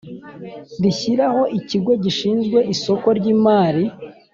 rishyiraho Ikigo gishinzwe isoko ry imari